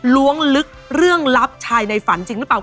ล้วงลึกเรื่องลับชายในฝันจริงหรือเปล่า